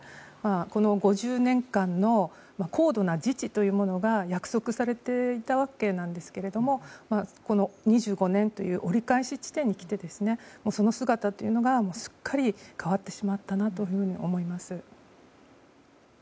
この５０年間の高度な自治というものが約束されていたわけなんですがこの、２５年という折り返し地点に来てその姿というのが、すっかり変わってしまったなと思います。